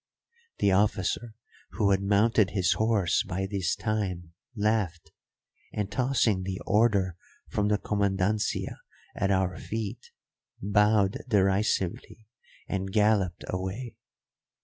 The officer, who had mounted his horse by this time, laughed, and, tossing the order from the comandancia at our feet, bowed derisively and galloped away.